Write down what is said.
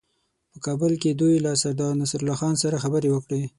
په کابل کې دوی له سردارنصرالله خان سره خبرې وکړې.